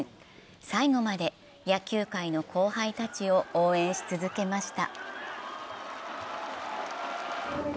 最後まで野球界の後輩たちを応援し続けました。